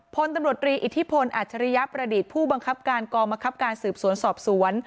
พลตำรวจรีอิทธิพลอัจฉริยประดิษฐ์ผู้บังคับการกองบังคับการสืบสวนสอบสวน